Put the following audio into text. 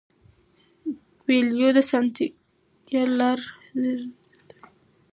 کویلیو د سانتیاګو زیارلاره ووهله.